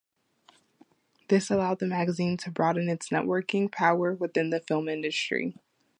This allowed the magazine to broaden its networking power within the film industry.